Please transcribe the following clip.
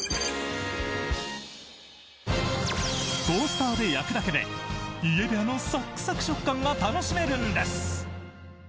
トースターで焼くだけで家でのサクサク食感が楽しめるんです。